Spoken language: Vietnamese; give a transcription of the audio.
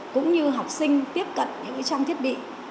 cũng như học sinh tiếp cận những trang trình